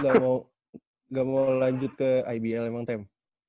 gak mau lanjut ke ibl emang tem